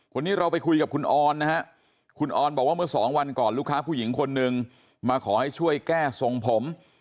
วันนี้เราไปคุยกับคุณออนนะฮะคุณออนบอกว่าเมื่อสองวันก่อนลูกค้าผู้หญิงคนหนึ่งมาขอให้ช่วยแก้ทรงผม